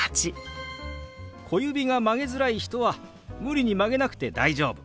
小指が曲げづらい人は無理に曲げなくて大丈夫。